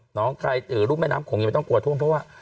ใครรุ่มแม่น้ำโขงยังไม่ต้องกลัวท่วมเพราะว่า